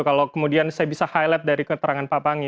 kalau kemudian saya bisa highlight dari keterangan pak panggi